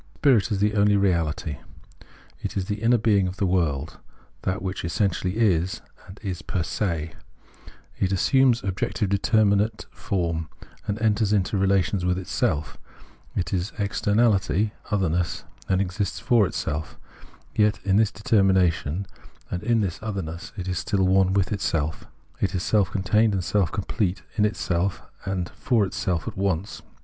Spirit is the only Reality. It is the inner being of the world, that which essentially is, and is per se ; it assumes objective, determinate form, and enters into relations with itself — it is externahty (otherness), and exists for self ; yet, in this determination, and in its otherness, it is still one with itself — it is self contained and self complete, in itself and for itself at once.